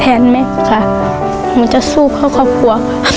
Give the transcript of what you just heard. เห็นไหมค่ะมันจะสู้เพราะครอบครัว